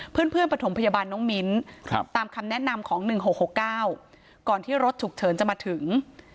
เพื่อนประถมพยาบาลน้องมิ้นตามคำแนะนำของ๑๖๖๙ก่อนที่รถฉุกเฉินจะมาถึง